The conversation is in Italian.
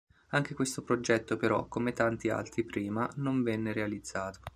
Anche questo progetto però, come tanti altri prima, non venne realizzato.